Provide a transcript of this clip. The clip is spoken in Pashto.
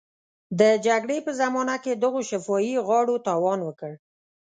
د جګړې په زمانه کې دغو شفاهي غاړو تاوان وکړ.